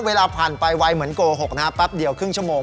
เวลาผ่านไปไวเหมือนโกหกนะฮะแป๊บเดียวครึ่งชั่วโมง